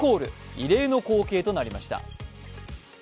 異例の光景となりました。